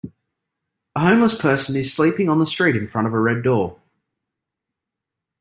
A homeless person is sleeping on the street in front of a red door.